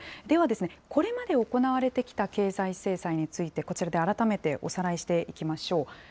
ではですね、これまで行われてきた経済制裁について、こちらで改めておさらいしていきましょう。